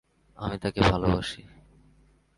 আমি তাকে ভালোবাসি!